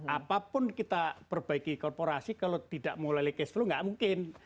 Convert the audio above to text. apapun kita perbaiki korporasi kalau tidak mau lagi cash flow nggak mungkin